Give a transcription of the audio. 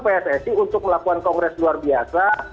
pssi untuk melakukan kongres luar biasa